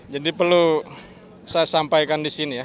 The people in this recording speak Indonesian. jadi perlu saya sampaikan di sini ya